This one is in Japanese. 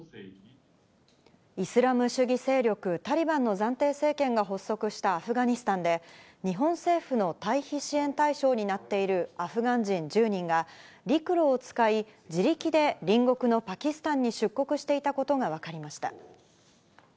イスラム主義勢力タリバンの暫定政権が発足したアフガニスタンで、日本政府の退避支援対象になっているアフガン人１０人が、陸路を使い、自力で隣国のパキスタンに出国していたことが分かりました。